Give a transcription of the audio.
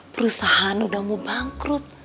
perusahaan udah mau bangkrut